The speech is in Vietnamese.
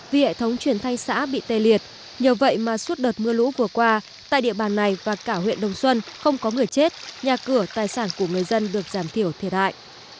vì hệ thống truyền thanh xã bị tê liệt nhờ vậy mà suốt đợt mưa lũ vừa qua tại địa bàn này và cả huyện đồng xuân không có người chết nhà cửa tài sản của người dân được giảm thiểu thiệt hại